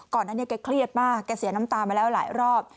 ก่อนหน้านี้แกเครียดมากแกเสียน้ำตามาแล้วหลายรอบ